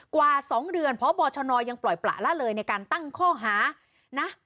กว่า๒เดือนพบชนยังปล่อยประละเลยในการตั้งข้อหานะ